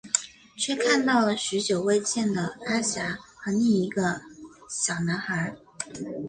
却看到了许久未见的阿霞和一个小男孩。